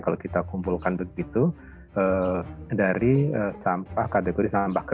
jadi tentu saja ini akan menjadi ancaman bagi